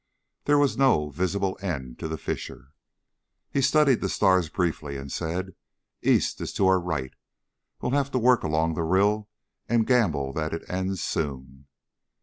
There was no visible end to the fissure. He studied the stars briefly and said, "East is to our right. We'll have to work along the rill and gamble that it ends soon."